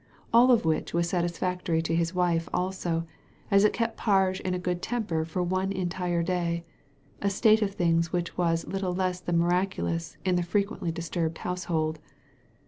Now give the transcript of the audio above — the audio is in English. All of which was satisfactory to his wife also; as it kept Parge in a good temper for one entire day, a state of things which was little less than miraculous in that frequently disturbed household.